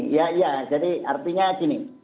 iya iya jadi artinya gini